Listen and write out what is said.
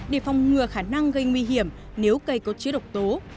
để phòng ngừa khả năng gây nguy hiểm nếu cây có chứa độc tố